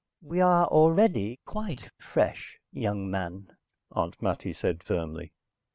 "We are already quite fresh, young man," Aunt Mattie said firmly.